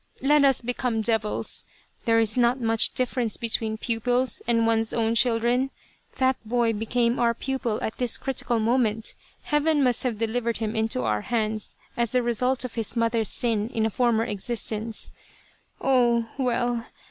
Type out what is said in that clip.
Let us become devils. There is not much difference between pupils and one's own children. That boy became our pupil at this critical moment heaven must have delivered him into our hands as the result of his mother's sin in a former existence. Oh, well